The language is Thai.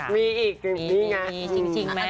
มีอีกนี่ไง